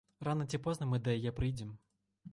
Рана ці позна мы да яе прыйдзем.